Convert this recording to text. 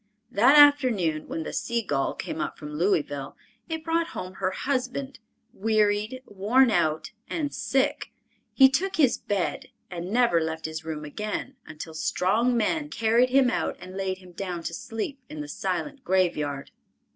That afternoon, when the Sea Gull came up from Louisville, it brought home her husband, wearied, worn out and sick. He took his bed, and never left his room again until strong men carried him out and laid him down to sleep in the silent graveyard.